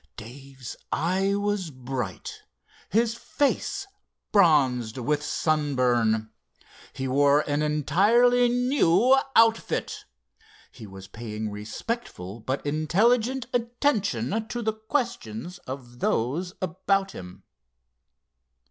Dave's eye was bright, his face bronzed with sunburn. He wore an entirely new outfit. He was paying respectful but intelligent attention to the questions of those about him.